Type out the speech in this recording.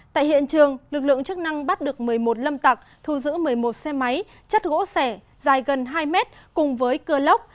tại hiện trường lực lượng chức năng bắt được một mươi một lâm tặc thu giữ một mươi một xe máy chất gỗ sẻ dài gần hai mét cùng với cưa lốc